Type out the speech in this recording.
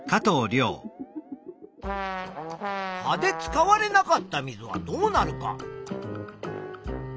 葉で使われなかった水はどうなるか。